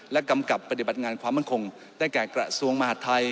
และกำกับปฏิบัติงานความมั่นคงได้แก่กระทรวงมหาดไทย